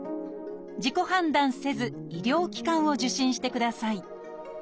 自己判断せず医療機関を受診してください